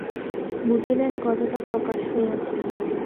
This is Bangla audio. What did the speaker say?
বুঝিলেন কথাটা প্রকাশ হইয়াছে।